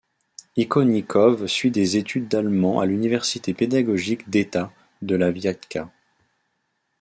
Ikonnikov suit des études d'allemand à l'université pédagogique d'État de la Viatka.